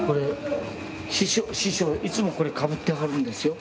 師匠いつもこれかぶってはるんですよ。